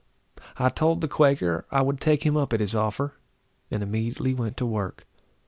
I told the Quaker I would take him up at his offer, and immediately went to work.